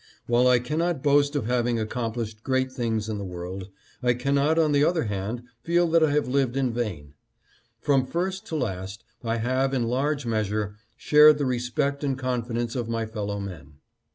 While I can not boast of having accomplished great things in the world, I cannot on the other hand feel that I have lived in vain. From first to last I have, in large measure, shared the respect and confidence of my fellow men.